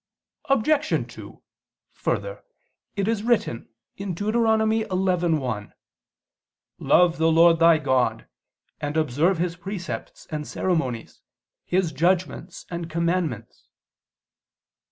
Obj. 2: Further, it is written (Deut. 11:1): "Love the Lord thy God, and observe His precepts and ceremonies, His judgments and commandments."